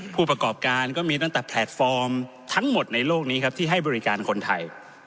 ผู้ประกอบการก็มีตั้งแต่แพลตฟอร์มทั้งหมดในโลกนี้ครับที่ให้บริการคนไทย